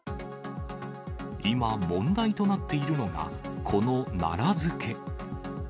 今、問題となっているのが、この奈良漬け。